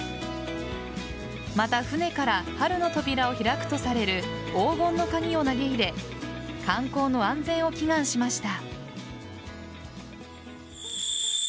また、船から春の扉を開くとされる黄金の鍵を投げ入れ観光の安全を祈願しました。